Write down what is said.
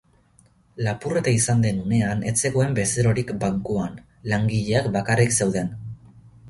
Lapurreta izan den unean ez zegoen bezerorik bankuan, langileak bakarrik zeuden.